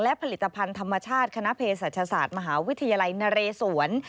และผลิตภัณฑ์ธรรมชาติคณะเพศศาสตร์มหาวิทยาลัยนเรศวร